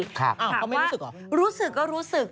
เขาไม่รู้สึกเหรอรู้สึกก็รู้สึก